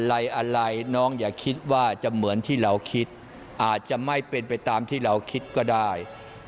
อะไรอะไรน้องอย่าคิดว่าจะเหมือนที่เราคิดอาจจะไม่เป็นไปตามที่เราคิดก็ได้